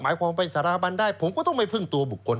ความเป็นสถาบันได้ผมก็ต้องไปพึ่งตัวบุคคล